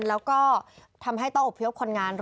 แล้วก็ทำให้ต้องอบพยพคนงาน